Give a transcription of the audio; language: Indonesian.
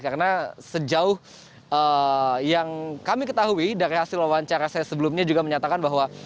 karena sejauh yang kami ketahui dari hasil wawancara saya sebelumnya juga menyatakan bahwa